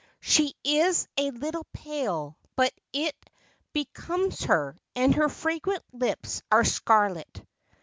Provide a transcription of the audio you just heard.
She is a little pale, but it be comes her; and her fragrant lips are scarlet."